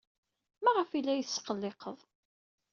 Maɣef ay la iyi-tesqelliqed?